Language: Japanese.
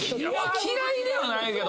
嫌いではないけど。